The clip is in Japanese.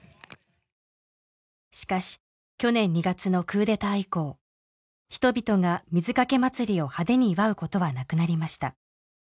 しかし去年２月のクーデター以降人々が水かけ祭りを派手に祝うことはなくなりました